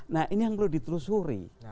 nah ini yang perlu ditelusuri